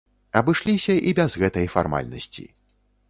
Абышліся і без гэтай фармальнасці.